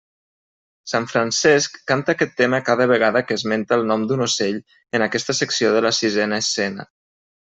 Sant Francesc canta aquest tema cada vegada que esmenta el nom d'un ocell en aquesta secció de la sisena escena.